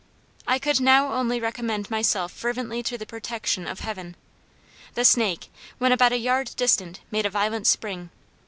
I could now only recommend myself fervently to the protection of Heaven. The snake, when about a yard distant, made a violent spring.